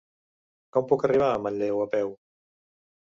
Com puc arribar a Manlleu a peu?